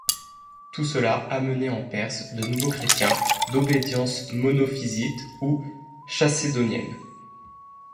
Tout cela amenait en Perse de nouveaux chrétiens d'obédience monophysite ou chalcédonienne.